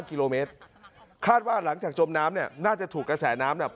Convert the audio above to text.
กิโลเมตรคาดว่าหลังจากจมน้ำเนี่ยน่าจะถูกกระแสน้ำเนี่ย